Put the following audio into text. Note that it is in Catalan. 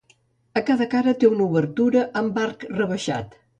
A cada cara té una obertura amb arc rebaixat.